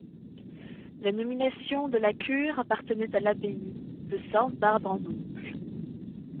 La nomination de la cure appartenait à l'abbaye de Sainte-Barbe-en-Auge.